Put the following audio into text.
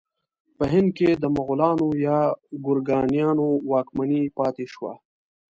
په هند کې د مغلانو یا ګورکانیانو واکمني پاتې شوه.